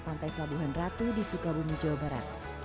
pantai pelabuhan ratu di sukabumi jawa barat